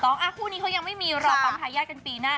ถูกต้องคู่นี้เขายังไม่มีรอบตอนท้ายาทกันปีหน้า